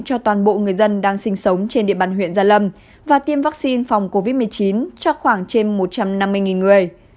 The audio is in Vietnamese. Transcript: cho toàn bộ người dân đang sinh sống trên địa bàn huyện gia lâm và tiêm vaccine phòng covid một mươi chín cho khoảng trên một trăm năm mươi người